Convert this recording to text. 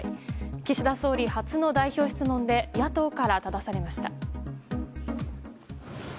岸田総理初の代表質問で野党からただされました。